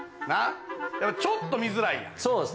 ちょっと見づらいやん。